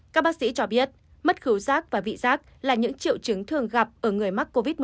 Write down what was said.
các bác sĩ cho biết mất cứu rác và vị giác là những triệu chứng thường gặp ở người mắc covid một mươi chín